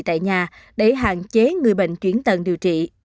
tại nhà để hạn chế người bệnh chuyển tận điều trị